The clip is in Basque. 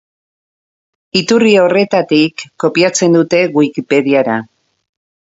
Iturri horretatik kopiatzen dute Wikipediara.